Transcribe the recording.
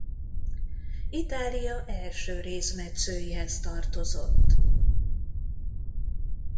Itália első rézmetszőihez tartozott.